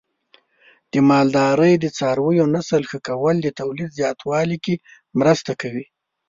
د مالدارۍ د څارویو نسل ښه کول د تولید زیاتوالي کې مرسته کوي.